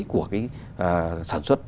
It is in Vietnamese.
của cái sản xuất